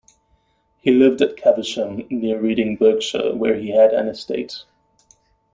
He lived at Caversham, near Reading, Berkshire, where he had an estate.